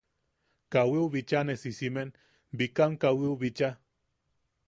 Kawiu bichaa, ne sisimen bikam kawiu bichaa.